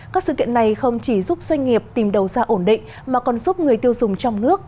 các sự kiện này không chỉ giúp doanh nghiệp tìm đầu ra ổn định mà còn giúp người tiêu dùng trong nước